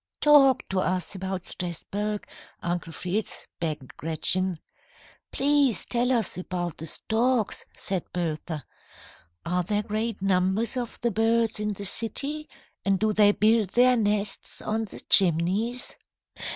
"Talk to us about Strasburg, Uncle Fritz," begged Gretchen. "Please tell us about the storks," said Bertha. "Are there great numbers of the birds in the city, and do they build their nests on the chimneys?"